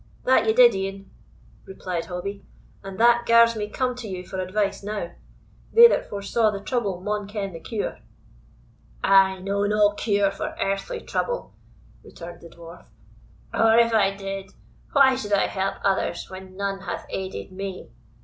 "That ye did e'en," replied Hobbie, "and that gars me come to you for advice now; they that foresaw the trouble maun ken the cure." "I know no cure for earthly trouble," returned the Dwarf "or, if I did, why should I help others, when none hath aided me?